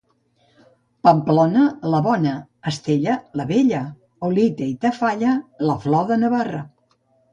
Pamplona, la bona; Estella, la bella; Olite i Tafalla, la flor de Navarra.